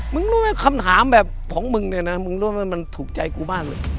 มึงรู้ไหมคำถามแบบของมึงเนี่ยนะมึงรู้ว่ามันถูกใจกูมากเลย